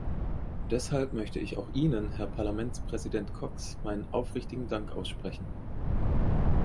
Deshalb möchte ich auch Ihnen, Herr Parlamentspräsident Cox, meinen aufrichtigen Dank aussprechen.